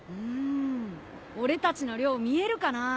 ん俺たちの寮見えるかな？